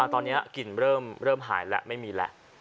ตอนนี้กลิ่นเริ่มหายแล้วไม่มีแล้ว